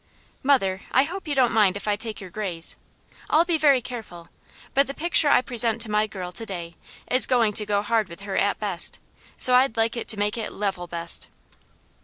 Mother, I hope you don't mind if I take your grays. I'll be very careful; but the picture I present to my girl to day is going to go hard with her at best, so I'd like to make it level best."